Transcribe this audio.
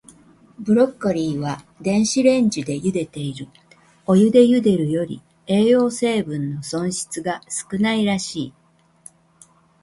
ブロッコリーは、電子レンジでゆでている。お湯でゆでるより、栄養成分の損失が少ないらしい。